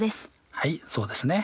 はいそうですね。